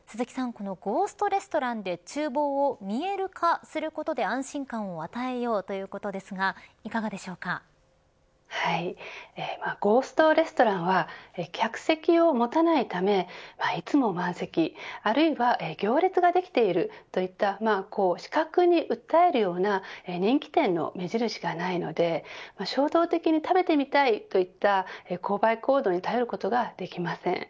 このゴーストレストランで厨房を見える化することで安心感を与えようということですがゴーストレストランは客席を持たないためいつも満席、あるいは行列ができているといった視覚に訴えるような人気店の目印がないので衝動的に食べてみたいといった購買行動に頼ることができません。